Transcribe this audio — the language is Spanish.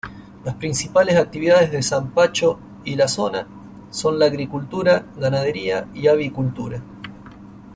Las principales actividades de Sampacho y la zona son la agricultura, ganadería y avicultura.